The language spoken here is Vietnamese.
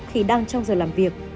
khi đang trong giờ làm việc